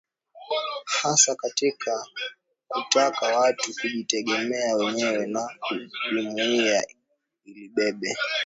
Hasa katika kutaka watu kujitegemea mwenyewe na jumuiya ilibeba